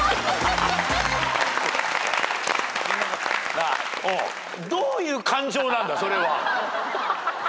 なあどういう感情なんだそれは。